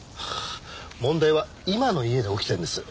問題は今の家で起きているんです。